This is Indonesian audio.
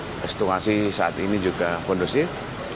itu juga situasi saat ini juga kondusif